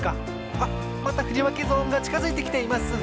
あっまたふりわけゾーンがちかづいてきています。